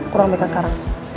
kurang bk sekarang